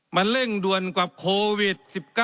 มันเร่งด่วนกว่าโควิด๑๙